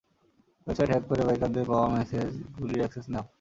Website hack করে বাইকারদের পাওয়া মেসেজ গুলির অ্যাক্সেস নেও।